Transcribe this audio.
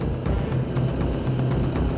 aku juga keliatan jalan sama si neng manis